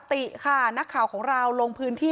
ติค่ะนักข่าวของเราลงพื้นที่